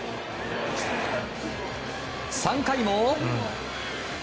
３回も。